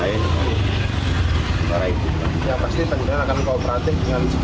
antara itu yang pasti penduduk akan mengoperatif dengan segala gala terkait insiden tersebut pihak